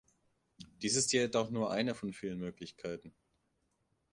Dies ist jedoch nur eine von vielen Möglichkeiten.